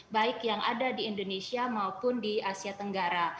baik yang ada di indonesia maupun di asia tenggara